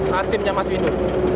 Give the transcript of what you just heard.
hasilnya masuk itu